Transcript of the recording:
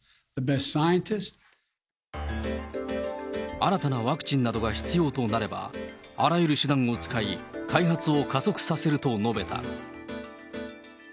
新たなワクチンなどが必要となれば、あらゆる手段を使い、開発を加速させると述べた。